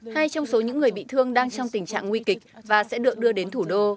hai trong số những người bị thương đang trong tình trạng nguy kịch và sẽ được đưa đến thủ đô